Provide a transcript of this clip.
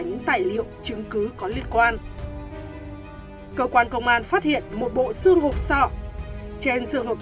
những tài liệu chứng cứ có liên quan cơ quan công an phát hiện một bộ xương hộp sọ trên trường hợp